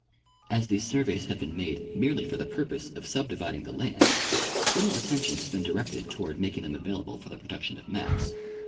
As these surveys have been made merely for the purpose of subdividing the land, little attention has been directed toward making them available for the production of maps.